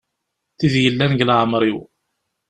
Tid yellan deg leɛmer-iw.